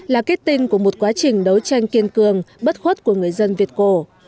là kết tinh của một quá trình đấu tranh kiên cường bất khuất của người dân việt cổ